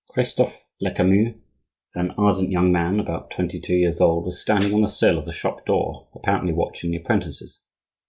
Christophe Lecamus, an ardent young man about twenty two years old, was standing on the sill of the shop door, apparently watching the apprentices.